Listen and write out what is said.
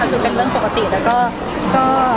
คือเป็นเรื่องปกติแต่ก็